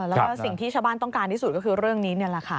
แล้วก็สิ่งที่ชาวบ้านต้องการที่สุดก็คือเรื่องนี้นี่แหละค่ะ